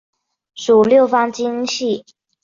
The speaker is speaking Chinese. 属六方晶系。